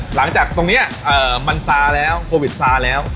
หลังจากตรงนี้มันซาแล้วโควิดซาแล้ว